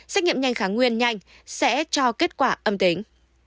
xét nghiệm nhanh kháng nguyên nhanh sẽ cho kết quả âm tính